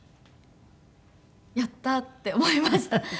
やったー！って思いました。